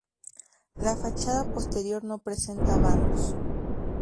La fachada posterior no presenta vanos.